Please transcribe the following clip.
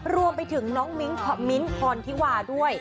รวมไปถึงน้องมิ้นท์พรธิวาด้วย